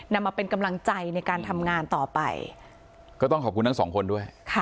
นำมาเป็นกำลังใจในการทำงานต่อไปก็ต้องขอบคุณทั้งสองคนด้วยค่ะ